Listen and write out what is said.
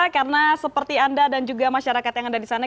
karena seperti anda dan juga masyarakat yang ada di sana